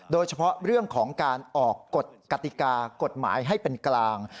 โดยเฉพาะเรื่องของการออกกฎกติกากฎหมายให้เป็นกลาง